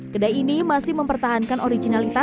kedai ini masih mempertahankan original istrinya